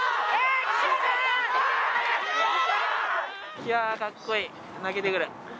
いやー、かっこいい、泣けてくる。